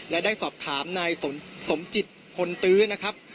และได้สอบถามนายสมจิตพลตื้อนะครับ